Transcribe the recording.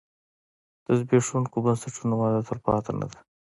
د زبېښونکو بنسټونو وده تلپاتې نه ده.